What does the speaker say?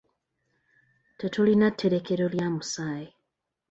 Tetulina tterekero lya musaayi.